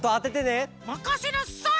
まかせなさい！